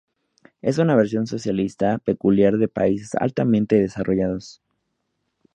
Es una versión socialista peculiar de países altamente desarrollados.